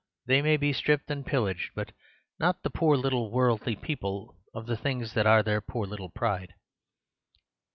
They may be stripped and pillaged; but not the poor little worldly people of the things that are their poor little pride.